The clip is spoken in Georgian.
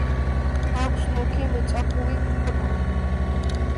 აქვს მუქი მეწამული ფოთოლი.